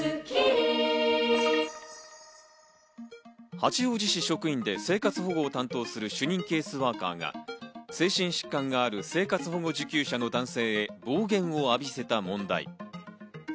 八王子市職員で生活保護を担当する主任ケースワーカーが精神疾患がある生活保護受給者へ暴言を浴びせた問題。